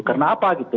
karena apa gitu